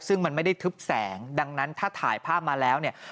ซึ่งมันไม่ได้ทึบแสงดังนั้นถ้าถ่ายภาพมาแล้วเนี่ย